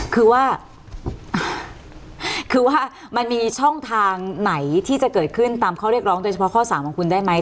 คือว่าคือว่ามันมีช่องทางไหนที่จะเกิดขึ้นตามข้อเรียกร้องโดยเฉพาะข้อ๓ของคุณได้ไหม